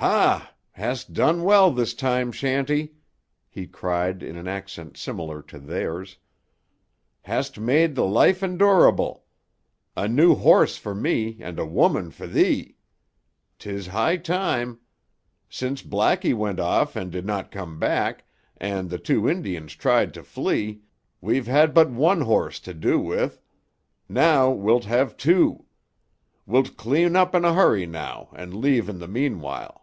"Ha! Hast done well this time, Shanty," he cried in an accent similar to theirs. "Hast made tuh life endurable. A new horse for me and a woman for 'ee. 'Tis high time. Since Blacky went off and did not come back, and tuh two Indians tried to flee, we've had but one horse to do with. Now wilt have two. Wilt clean up in a hurry now, and live in tuh meanwhile."